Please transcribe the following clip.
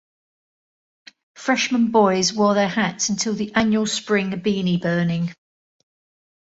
Freshmen boys wore their hats until the annual spring beanie burning.